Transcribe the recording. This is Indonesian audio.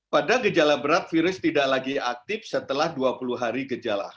pada gejala berat virus tidak lagi aktif setelah dua puluh hari gejala